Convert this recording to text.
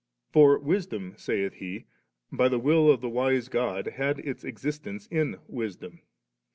* For Wisdom,' saith he, * by the will of the wise Cjod, had its existence in Wisdom.'